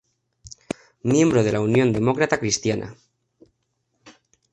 Miembro de la Unión Demócrata Cristiana.